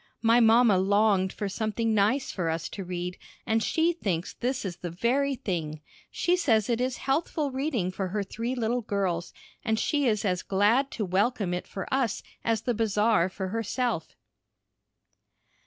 My mamma longed for something nice for us to read, and she thinks this is the very thing. She says it is healthful reading for her three little girls, and she is as glad to welcome it for us as the Bazar for herself.